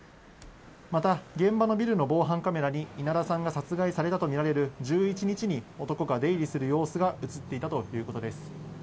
また、現場のビルの防犯カメラに、稲田さんが殺害されたと見られる１１日に、男が出入りする様子が写っていたということです。